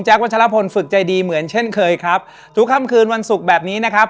วัชลพลฝึกใจดีเหมือนเช่นเคยครับทุกค่ำคืนวันศุกร์แบบนี้นะครับ